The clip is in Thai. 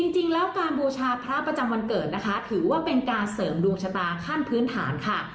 จริงแล้วการบูชาพระประจำวันเกิดนะคะถือว่าเป็นการเสริมดวงชะตาขั้นพื้นฐานค่ะ